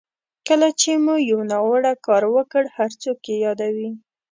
کله چې مو یو ناوړه کار وکړ هر څوک یې یادوي.